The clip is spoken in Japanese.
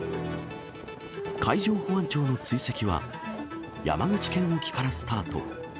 海上保安庁の追跡は、山口県沖からスタート。